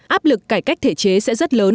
áp lực cải cách thể chế sẽ rất lớn